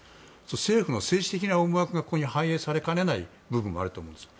政府の政治的な思惑がここに反映されかねない部分もあると思うんですよ。